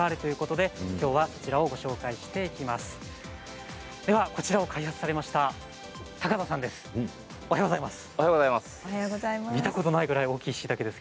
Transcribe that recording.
では、こちらを開発されました高野さんです。